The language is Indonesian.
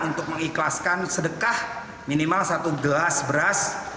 untuk mengikhlaskan sedekah minimal satu gelas beras